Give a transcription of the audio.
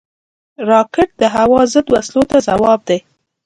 راکټ د هوا ضد وسلو ته ځواب دی